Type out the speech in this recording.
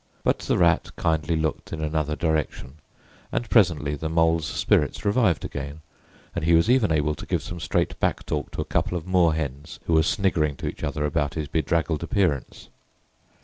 But the Rat kindly looked in another direction, and presently the Mole's spirits revived again, and he was even able to give some straight back talk to a couple of moorhens who were sniggering to each other about his bedraggled appearance.